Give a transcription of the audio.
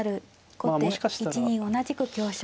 後手１二同じく香車。